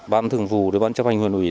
ban thường vụ ban chấp hành huyện huyện